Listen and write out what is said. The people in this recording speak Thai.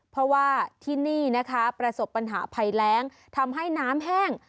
เพราะว่าที่นี่นะคะประสบปัญหาภัยแรงทำให้น้ำแห้ง